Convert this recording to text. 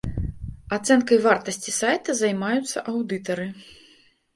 Ацэнкай вартасці сайта займаюцца аўдытары.